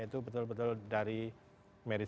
itu betul betul dari mary